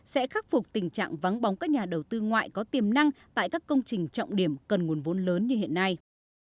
sẽ khắc phục tình trạng vắng bóng các nhà đầu tư ngoại có tiềm năng tại các công trình trọng điểm cần nguồn vốn lớn như hiện nay